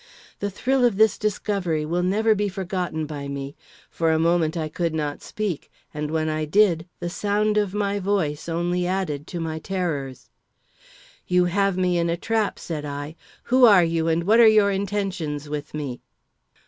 The thrill of this discovery will never be forgotten by me. For a moment I could not speak, and when I did, the sound of my voice only added to my terrors. "You have me in a trap," said I; "who are you, and what are your intentions with me?"